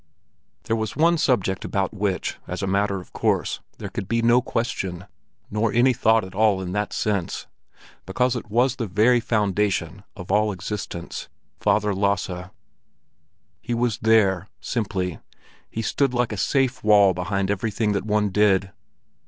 There was one subject about which, as a matter of course, there could be no question, nor any thought at all in that sense, because it was the very foundation of all existence—Father Lasse. He was there, simply, he stood like a safe wall behind everything that one did.